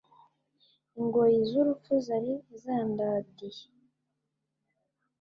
Ingoyi z’urupfu zari zandadiye